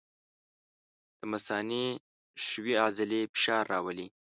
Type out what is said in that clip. د مثانې ښویې عضلې فشار راولي.